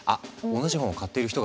同じ本を買っている人がいる！